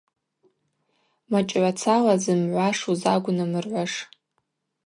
Мачӏгӏвацала зымгӏва шузагвнымыргӏвуаш.